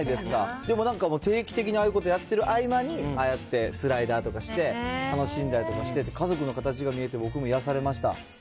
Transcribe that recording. でもなんか、定期的にああいうことやってる合間に、ああやってスライダーとかして楽しんだりとかしてて、家族の形が見えて、僕も癒やされまし